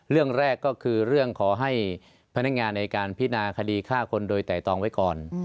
เรื่องแรกก็คือเรื่องขอให้พนักงานในการพินาคดีฆ่าคนโดยไตรตองไว้ก่อน